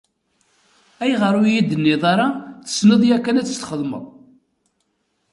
Ayɣer ur iyi-d-tenniḍ ara tessneḍ yakan ad t-txedmeḍ?